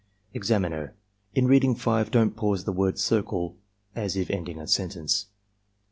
Examiner. — In reading 5, don't pause at the word CIRCLE as if ending a sentence.)